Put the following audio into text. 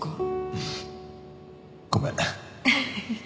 うん。ごめん。